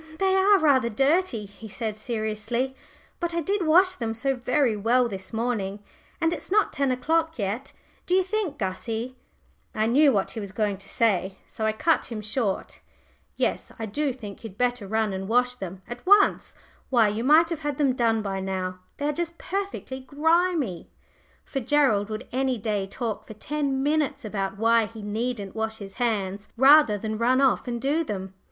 "They are rather dirty," he said seriously. "But I did wash them so very well this morning, and it's not ten o'clock yet. Do you think, Gussie ?" I knew what he was going to say, so I cut him short. "Yes, I do think you'd better run and wash them at once why, you might have had them done by now they are just perfectly grimy." For Gerald would any day talk for ten minutes about why he needn't wash his hands rather than run off and do them.